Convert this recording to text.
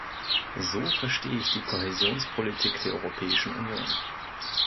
So verstehe ich die Kohäsionspolitik der Europäischen Union.